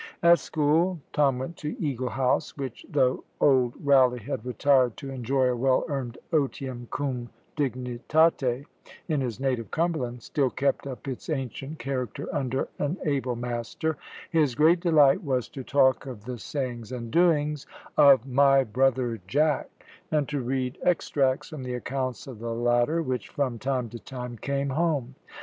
At school (Tom went to Eagle House, which, though old Rowley had retired to enjoy a well earned "otium cum dignitate" in his native Cumberland, still kept up its ancient character under an able master) his great delight was to talk of the sayings and doings of "my brother Jack," and to read extracts from the accounts of the latter, which from time to time came home.